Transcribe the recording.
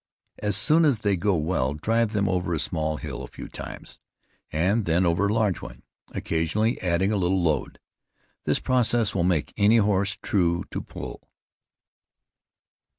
As soon as they go well, drive them over a small hill a few times, and then over a large one, occasionally adding a little load. This process will make any horse true to pull.